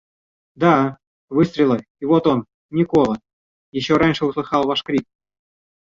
Да, выстрелы, и вот он, Никола, еще раньше услыхал ваш крик.